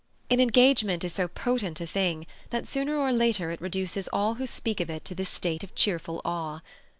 An engagement is so potent a thing that sooner or later it reduces all who speak of it to this state of cheerful awe.